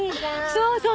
そうそう！